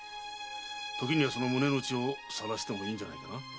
ときにはその胸の内を晒してもいいんじゃないかな？